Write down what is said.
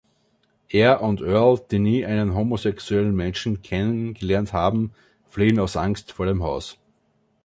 Er und Earl, die nie einen homosexuellen Menschen kennen gelernt haben, fliehen aus Angst vor dem Haus.